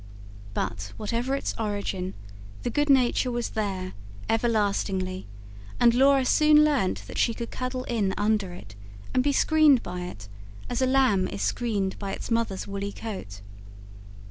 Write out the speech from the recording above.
But, whatever its origin, the good nature was there, everlastingly; and Laura soon learnt that she could cuddle in under it, and be screened by it, as a lamb is screened by its mother's woolly coat.